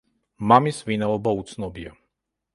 მამის ვინაობა უცნობია.